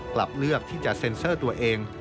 กลับเลือกที่จะเซ็นเซอร์ตัวเอง